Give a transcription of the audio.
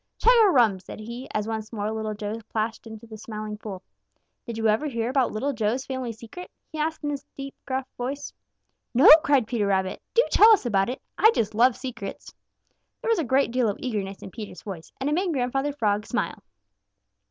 "Chug a rum!" said he, as once more Little Joe splashed into the Smiling Pool. "Did you ever hear about Little Joe's family secret?" he asked in his deep gruff voice. "No," cried Peter Rabbit. "Do tell us about it! I just love secrets." There was a great deal of eagerness in Peter's voice, and it made Grandfather Frog smile.